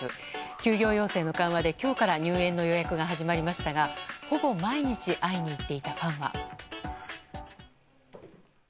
休業要請の緩和で今日から入園の予約が始まりましたがほぼ毎日会いに行っていたファンは。